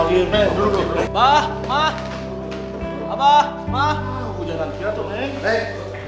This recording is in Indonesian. ujangan kira kira tuh neng